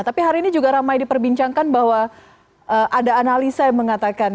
tapi hari ini juga ramai diperbincangkan bahwa ada analisa yang mengatakan